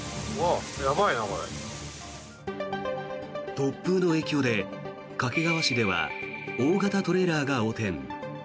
突風の影響で掛川市では大型トレーラーが横転。